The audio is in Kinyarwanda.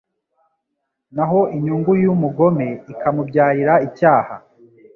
naho inyungu y’umugome ikamubyarira icyaha